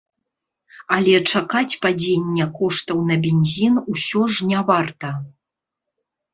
Але чакаць падзення коштаў на бензін усё ж не варта.